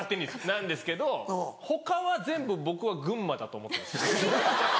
なんですけど他は全部僕は群馬だと思ってるんです。